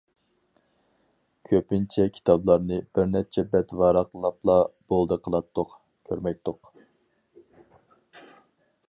كۆپىنچە كىتابلارنى بىرنەچچە بەت ۋاراقلاپلا بولدى قىلاتتۇق، كۆرمەيتتۇق.